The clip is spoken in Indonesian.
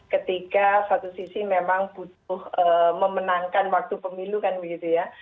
ketika satu sisi memang butuh memenangkan waktu pemilu kan begitu ya